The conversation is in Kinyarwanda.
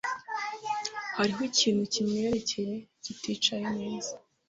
Hariho ikintu kimwerekeye kiticaye neza.